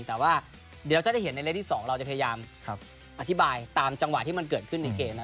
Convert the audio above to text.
แต่ว่าเดี๋ยวจะได้เห็นในเลขที่๒เราจะพยายามอธิบายตามจังหวะที่มันเกิดขึ้นในเกมนะ